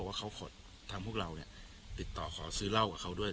ว่าเขาขอทางพวกเราเนี่ยติดต่อขอซื้อเหล้ากับเขาด้วย